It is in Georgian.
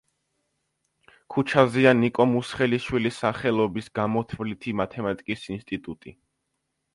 ქუჩაზეა ნიკო მუსხელიშვილის სახელობის გამოთვლითი მათემატიკის ინსტიტუტი.